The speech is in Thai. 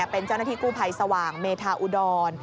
เป็นเจ้าหน้าที่กู้ภัยสว่างเมธาอุดร